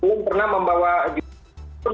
belum pernah membawa brazil